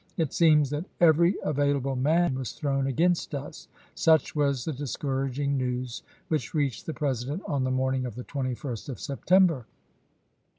It seems that every avail able man was thrown against us." Such was the discouraging news which reached the President on the morning of the 21st of September.